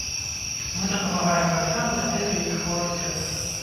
Мы дапамагаем бацькам з апекай іх хворых дзетак.